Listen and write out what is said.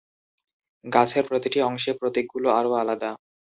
গাছের প্রতিটি "অংশে" প্রতীকগুলো আরও আলাদা।